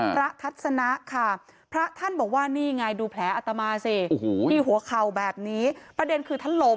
ทัศนะค่ะพระท่านบอกว่านี่ไงดูแผลอัตมาสิที่หัวเข่าแบบนี้ประเด็นคือท่านล้ม